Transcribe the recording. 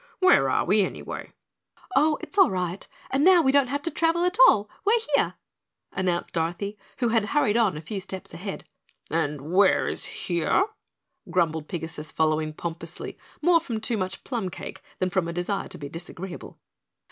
Where are we, anyway?" "Oh, it's all right and now we don't have to travel at all. We're here," announced Dorothy, who had hurried on a few steps ahead. "And where is here?" grumbled Pigasus, following pompously, more from too much plum cake than from a desire to be disagreeable.